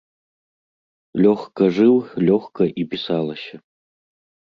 Лёгка жыў, лёгка і пісалася.